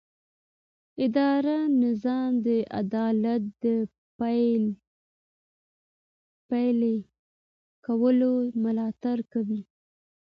اداري نظام د عدالت د پلي کولو ملاتړ کوي.